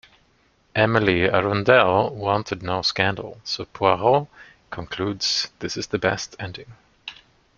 Emily Arundell wanted no scandal, so Poirot concludes this is the best ending.